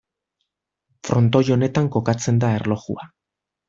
Frontoi honetan kokatzen da erlojua.